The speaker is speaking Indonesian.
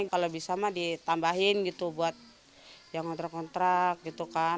kalau bisa mah ditambahin gitu buat yang ngontrak ngontrak gitu kan